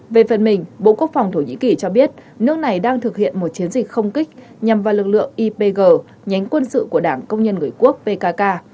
về phần mình bộ quốc phòng thổ nhĩ kỳ cho biết nước này đang thực hiện một chiến dịch không kích nhằm vào lực lượng ipg nhánh quân sự của đảng công nhân người quốc pkk